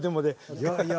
いやいや。